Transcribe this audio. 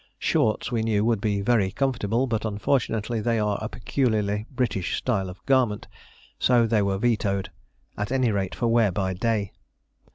"Shorts," we knew, would be very comfortable, but unfortunately they are a peculiarly British style of garment; so they were vetoed, at any rate for wear by day.